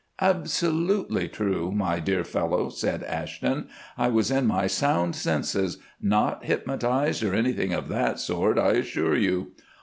"Absolutely true, my dear fellow," said Ashton. "I was in my sound senses, not hypnotised or anything of that sort, I assure you.